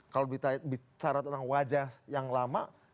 jadi bagaimana cara kita mencari wajah yang lama